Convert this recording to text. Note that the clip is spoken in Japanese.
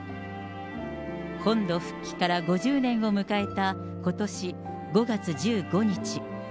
本土復帰から５０年を迎えたことし５月１５日。